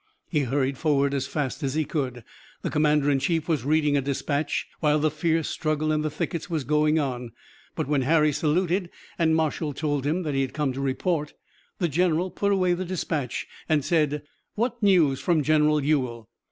He hurried forward as fast as he could. The commander in chief was reading a dispatch, while the fierce struggle in the thickets was going on, but when Harry saluted and Marshall told him that he had come to report the general put away the dispatch and said: "What news from General Ewell?"